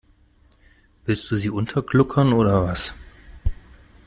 Willst du sie untergluckern oder was?